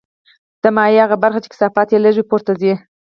د مایع هغه برخه چې کثافت یې لږ وي پورته ځي.